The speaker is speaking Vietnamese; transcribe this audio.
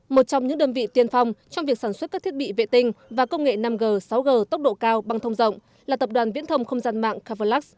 một trong những đơn vị tiên phong trong việc sản xuất các thiết bị vệ tinh và công nghệ năm g sáu g tốc độ cao bằng thông rộng là tập đoàn viễn thông không gian mạng kavalax